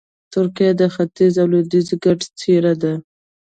ترکیه د ختیځ او لویدیځ ګډه څېره ده.